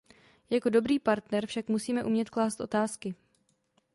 Jako dobrý partner však musíme umět klást otázky.